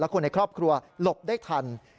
คนในครอบครัวหลบได้ทัน